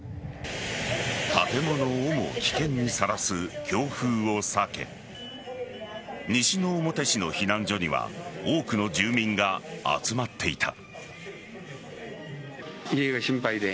建物をも危険にさらす強風を避け西之表市の避難所には多くの住民が集まっていた。